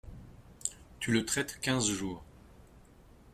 Tu le traites quinze jours…